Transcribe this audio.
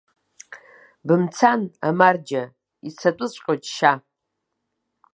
Бымцан, амарџьа, ицатәыҵәҟьоу џьшьа.